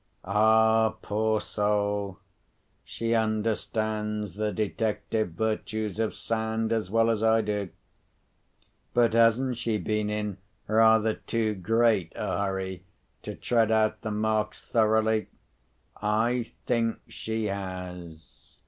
Ah, poor soul, she understands the detective virtues of sand as well as I do! But hasn't she been in rather too great a hurry to tread out the marks thoroughly? I think she has.